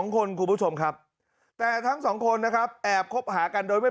๒คนคุณผู้ชมครับแต่ทั้งสองคนนะครับแอบคบหากันโดยไม่